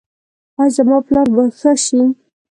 ایا زما پلار به ښه شي؟